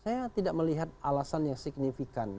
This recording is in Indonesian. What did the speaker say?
saya tidak melihat alasan yang signifikan